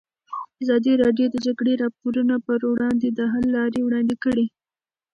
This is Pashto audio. ازادي راډیو د د جګړې راپورونه پر وړاندې د حل لارې وړاندې کړي.